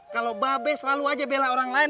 kalo babes selalu aja bela orang lain